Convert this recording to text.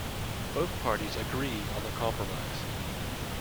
Both parties agree on the compromise.